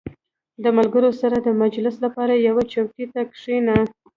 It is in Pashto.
• د ملګرو سره د مجلس لپاره یوې چوکۍ ته کښېنه.